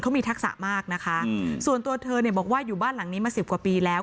เขามีทักษะมากนะคะส่วนตัวเธอเนี่ยบอกว่าอยู่บ้านหลังนี้มาสิบกว่าปีแล้ว